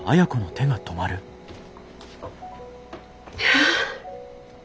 ああ。